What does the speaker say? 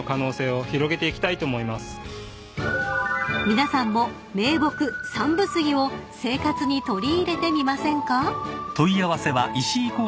［皆さんも銘木山武杉を生活に取り入れてみませんか？］